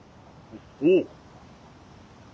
おう。